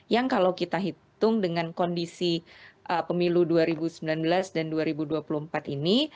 yang kalau kita hitung dengan kondisi pemilu dua ribu sembilan belas dan dua ribu dua puluh empat ini